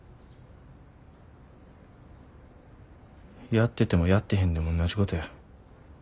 やっててもやってへんでもおんなじことや。